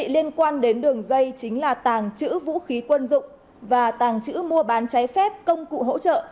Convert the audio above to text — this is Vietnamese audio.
liên quan đến đường dây chính là tàng trữ vũ khí quân dụng và tàng trữ mua bán trái phép công cụ hỗ trợ